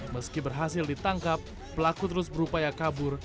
meski berhasil ditangkap pelaku terus berupaya kabur